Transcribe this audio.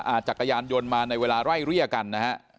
จักรยานยนต์มาในเวลาไล่เรียกกันนะฮะ